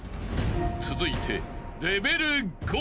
［続いて］